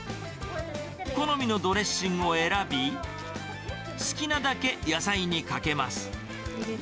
好みのドレッシングを選び、好きなだけ野菜にかけます。